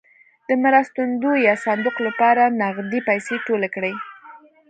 د مرستندویه صندوق لپاره نغدې پیسې ټولې کړې.